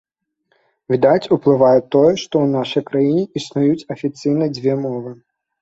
Відаць, уплывае тое, што ў нашай краіне існуюць афіцыйна дзве мовы.